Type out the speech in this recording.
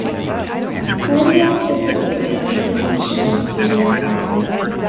Kodiak is located on the eastern shore of Kodiak Island.